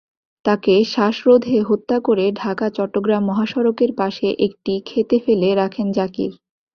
তাঁকে শ্বাসরোধে হত্যা করে ঢাকা-চট্টগ্রাম মহাসড়কের পাশে একটি খেতে ফেলে রাখেন জাকির।